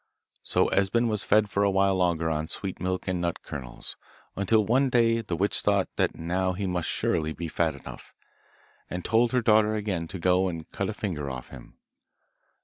So Esben was fed for a while longer on sweet milk and nut kernels, until one day the witch thought that now he must surely be fat enough, and told her daughter again to go and cut a finger off him.